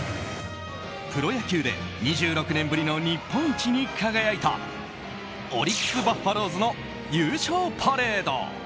プロ野球で２６年ぶりに日本一に輝いたオリックス・バファローズの優勝パレード。